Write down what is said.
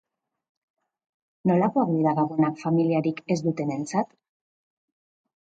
Nolakoak dira gabonak familiarik ez dutenentzat?